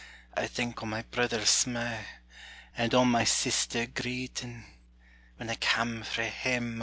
I think o' my brither sma', And on my sister greeting, When I cam frae hame awa.